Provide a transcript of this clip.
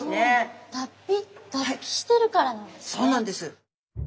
そうなんです！